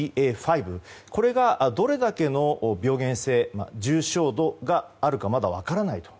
これがどれだけの病原性重症度があるかまだ分からないと。